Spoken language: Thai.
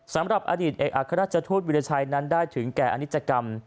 สำหรับอดีตเอกอัครราชทูตวิรชัยนั้นได้ถึงแก่อนิจกรรม